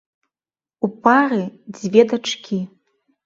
У пары дзве дачкі.